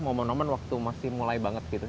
mohon mohon waktu masih mulai banget gitu